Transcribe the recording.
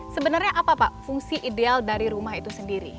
sebenarnya apa pak fungsi ideal dari rumah itu sendiri